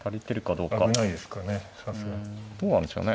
どうなんでしょうね。